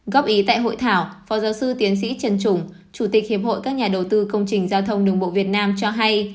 góp ý tại hội thảo phó giáo sư tiến sĩ trần trùng chủ tịch hiệp hội các nhà đầu tư công trình giao thông đường bộ việt nam cho hay